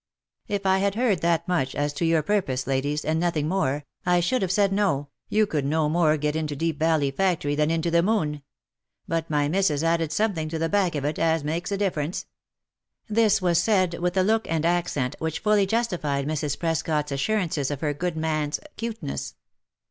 " If I had heard that much, as to your purpose, ladies, and nothing more, I should have said no, you could no more get into Deep Valley factory than into the moon. But my missis added something to the OF MICHAEL ARMSTRONG. 249 back of it, as makes a difference." This was said with a look and accent which fully justified Mrs. Prescot's assurances of her good man's «' 'cuteness."